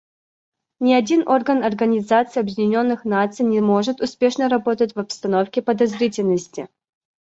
Ни один орган Организации Объединенных Наций не может успешно работать в обстановке подозрительности.